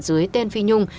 dưới tên phi nhung